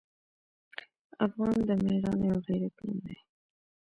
افغان د میړانې او غیرت نوم دی.